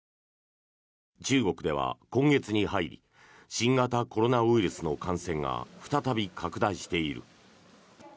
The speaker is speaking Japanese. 中国では今月に入り新型コロナウイルスの感染が再び拡大している。